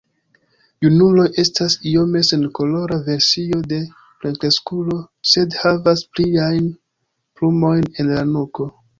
Junuloj estas iome senkolora versio de plenkreskulo sed havas pliajn plumojn en la nuko.